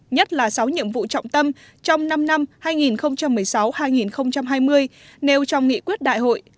nhất là sáu nhiệm vụ trọng tâm trong năm năm hai nghìn một mươi sáu hai nghìn hai mươi nêu trong nghị quyết đại hội